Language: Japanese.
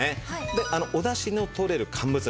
でおだしのとれる乾物類。